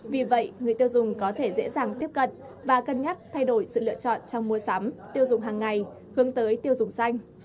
vì vậy người tiêu dùng có thể dễ dàng tiếp cận và cân nhắc thay đổi sự lựa chọn trong mua sắm tiêu dùng hàng ngày hướng tới tiêu dùng xanh